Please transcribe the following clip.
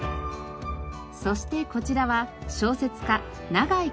そしてこちらは小説家永井荷風のお墓。